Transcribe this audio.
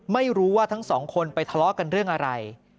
ไม่รู้ว่าทั้งสองคนไปทะเลาะกันเรื่องอะไร